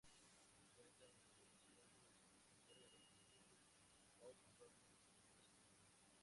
Cuenta con la colaboración de su compañero ex-Beatle, Paul Mccartney en los coros.